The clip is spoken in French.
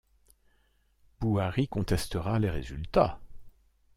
Buhari contestera les résultats.